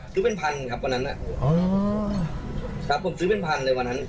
ซื้อเป็นพันครับวันนั้นอ๋อครับผมซื้อเป็นพันเลยวันนั้น